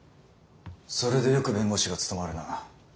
それでよく弁護士が務まるな。